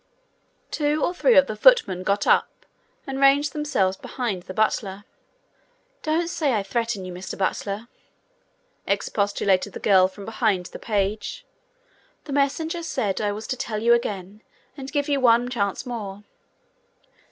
Two or three of the footmen got up and ranged themselves behind the butler. 'Don't say I threaten you, Mr Butler,' expostulated the girl from behind the page. 'The messenger said I was to tell you again, and give you one chance more.'